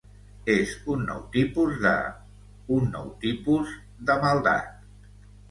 És un nou tipus de... un nou tipus de maldat.